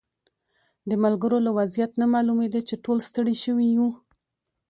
د ملګرو له وضعیت نه معلومېده چې ټول ستړي شوي وو.